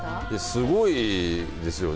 すごいですよね